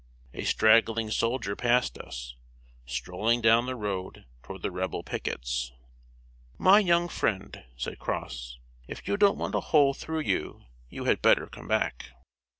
A straggling soldier passed us, strolling down the road toward the Rebel pickets. "My young friend," said Cross, "if you don't want a hole through you, you had better come back."